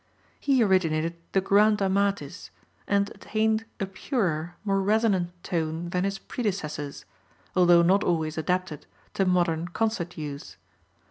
He originated the "Grand Amatis," and attained a purer, more resonant tone than his predecessors, although not always adapted to modern concert use.